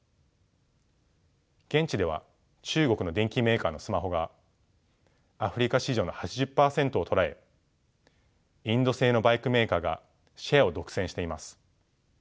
現地では中国の電機メーカーのスマホがアフリカ市場の８０％をとらえインド製のバイクメーカーがシェアを独占しています。